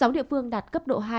sáu địa phương đạt cấp độ hai